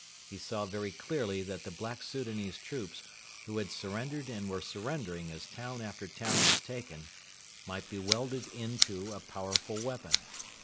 He saw very clearly that the black Soudanese troops, who had surrendered and were surrendering as town after town was taken, might be welded into a powerful weapon.